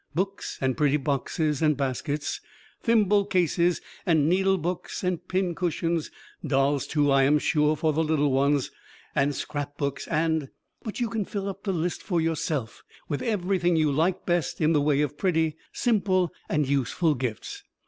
Books, and pretty boxes and baskets, thimble cases and needle books and pin cushions; dolls, too, I am sure, for the little ones, and scrap books, and but you can fill up the list for yourself with everything you like best in the way of pretty, simple, useful gifts.